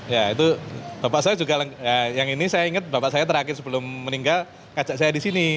ya itu bapak saya juga yang ini saya inget bapak saya terakhir sebelum meninggal ngajak saya disini